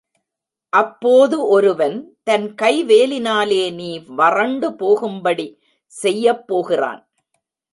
அப்போது ஒருவன் தன் கை வேலினாலே நீ வறண்டு போகும்படி செய்யப் போகிறான்.